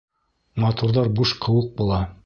Матурҙар буш ҡыуыҡ була.